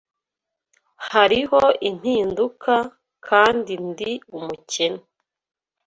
Hariho impinduka - kandi ndi umukene